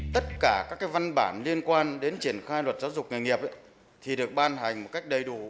tất cả các văn bản liên quan đến triển khai luật giáo dục nghề nghiệp thì được ban hành một cách đầy đủ